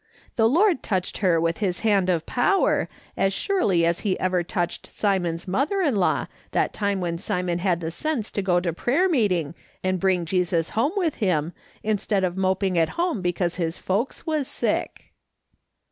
The Lord touched her with his hand of power, as surely as he ever touched Simon's mother in law that time when Simon had the sense to go to prayer meeting and bring Jesus home with him, instead of moping at home because his folks was sick."